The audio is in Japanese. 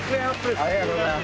ありがとうございます。